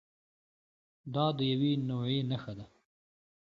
دا د یوې نوعې نښه ده.